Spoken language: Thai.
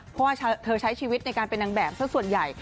เพราะว่าเธอใช้ชีวิตในการเป็นนางแบบสักส่วนใหญ่